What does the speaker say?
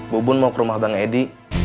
bu bun mau ke rumah bang edi